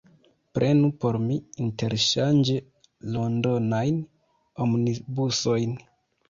Prenu por mi, interŝanĝe, Londonajn Omnibusojn.